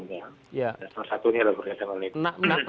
salah satunya adalah berkaitan dengan itu